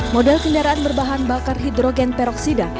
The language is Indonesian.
model kendaraan berbahan bakar hidrogen peroksida